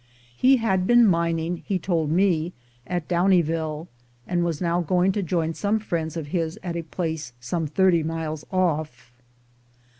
He had been mining, he told me, at Downieville, and was now going to join some friends of his at a place some thirty miles off.